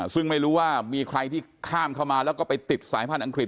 ซึ่งไม่รู้ว่ามีใครที่ข้ามเข้ามาแล้วก็ไปติดสายพันธุอังกฤษ